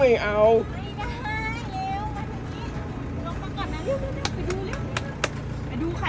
กินข้าวขอบคุณครับ